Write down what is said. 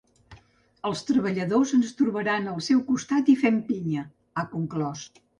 Els treballadors ens trobaran al seu costat i fent pinya, ha conclòs.